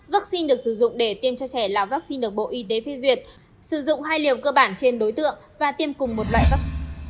vắc xin được sử dụng để tiêm cho trẻ là vắc xin được bộ y tế phê duyệt sử dụng hai liều cơ bản trên đối tượng và tiêm cùng một loại vắc xin